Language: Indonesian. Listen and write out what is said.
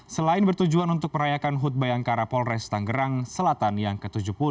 selain bertujuan untuk merayakan hut bayang karapol res tanggerang selatan yang ke tujuh puluh